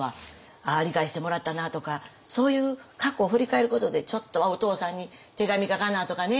ああ理解してもらったなとかそういう過去を振り返ることでちょっとお父さんに手紙書かなとかね。